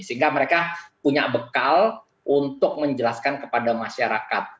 sehingga mereka punya bekal untuk menjelaskan kepada masyarakat